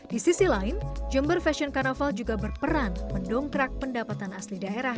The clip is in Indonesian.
di sisi lain jember fashion carnaval juga berperan mendongkrak pendapatan asli daerah